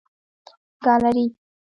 ګالري